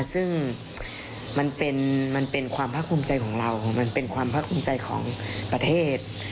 ซึ่งมันเป็นความภาคภูมิใจของเรามันเป็นความภาคภูมิใจของประเทศ